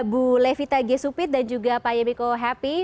bu levita gesupit dan juga pak yemiko happy